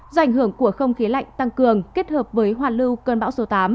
do ảnh hưởng của không khí lạnh tăng cường kết hợp với hoàn lưu cơn bão số tám